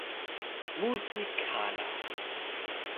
musi kala!